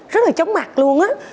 rất là chống mặt luôn á